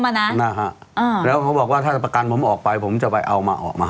นะนะฮะอ่าแล้วเขาบอกว่าถ้าประกันผมออกไปผมจะไปเอามาออกมา